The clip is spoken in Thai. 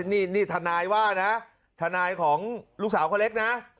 นี่ทนายว่านะทนายของลูกสาวคนเล็กนะ